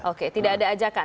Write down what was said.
oke tidak ada ajakan